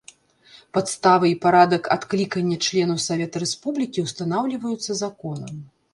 Падставы і парадак адклікання членаў Савета Рэспублікі ўстанаўліваюцца законам.